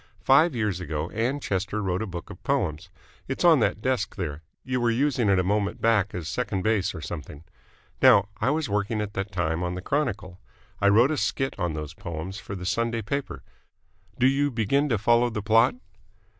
Five years ago Ann Chester wrote a book of poems. It's on that desk there. You were using it a moment back as second base or something. Now, I was working at that time on the Chronicle. I wrote a skit on those poems for the Sunday paper. Do you begin to follow the plot?"